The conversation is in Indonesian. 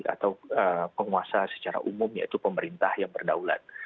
atau penguasa secara umum yaitu pemerintah yang berdaulat